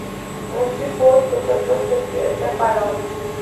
On suppose que ce processus est séparable, i.e.